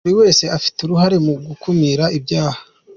Buri wese afite uruhare mu gukumira ibyaha.